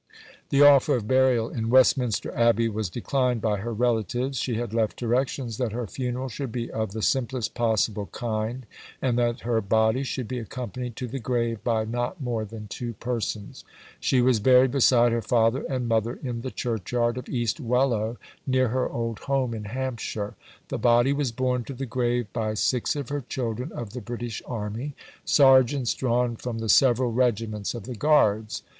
The offer of burial in Westminster Abbey was declined by her relatives. She had left directions that her funeral should be of the simplest possible kind, and that her body should be accompanied to the grave by not more than two persons. She was buried beside her father and mother in the churchyard of East Wellow, near her old home in Hampshire. The body was borne to the grave by six of her "children" of the British Army sergeants drawn from the several regiments of the Guards.